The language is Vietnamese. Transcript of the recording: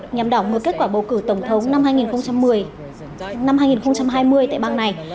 nhằm đỏng mưa kết quả bầu cử tổng thống năm hai nghìn một mươi